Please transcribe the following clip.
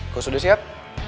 kau sudah siap